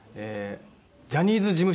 ジャニーズ事務所